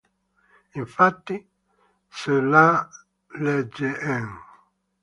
Infatti, se la legge n.